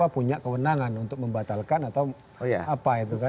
punya kewenangan untuk membatalkan atau apa itu kan